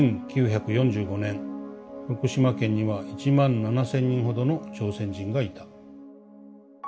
１９４５年福島県には１万７０００人ほどの朝鮮人がいた。